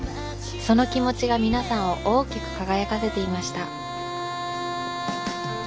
その気持ちが皆さんを大きく輝かせていました。